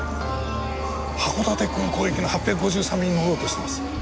函館空港行きの８５３便に乗ろうとしてます。